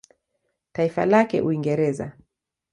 Taifa lake Uingereza.